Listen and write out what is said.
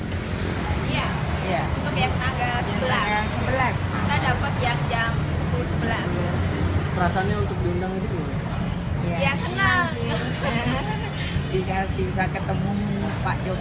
untuk yang agak sebelas kita dapat yang jam sepuluh sebelas